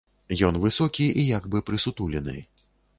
Ён высокі і як бы прысутулены.